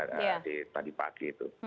ya tadi pagi itu